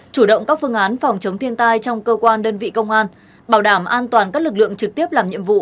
chủ động các phương án phòng chống thiên tai trong cơ quan đơn vị công an bảo đảm an toàn các lực lượng trực tiếp làm nhiệm vụ